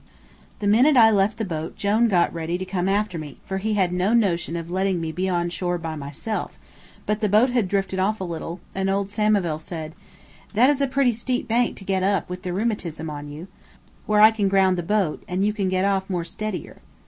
The minute I left the boat Jone got ready to come after me, for he had no notion of letting me be on shore by myself, but the boat had drifted off a little, and old Samivel said: "That is a pretty steep bank to get up with the rheumatism on you. I'll take you a little farther down, where I can ground the boat, and you can get off more steadier."